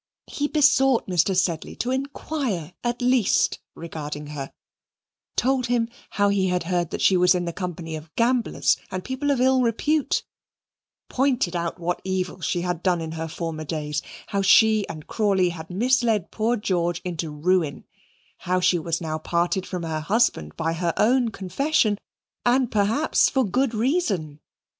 He besought Mr. Sedley to inquire at least regarding her; told him how he had heard that she was in the company of gamblers and people of ill repute; pointed out what evil she had done in former days, how she and Crawley had misled poor George into ruin, how she was now parted from her husband, by her own confession, and, perhaps, for good reason.